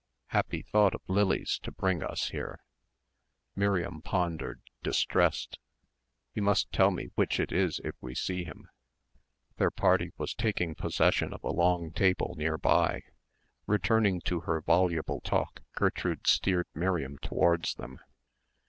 Happy thought of Lily's to bring us here." Miriam pondered, distressed. "You must tell me which it is if we see him." Their party was taking possession of a long table near by. Returning to her voluble talk, Gertrude steered Miriam towards them.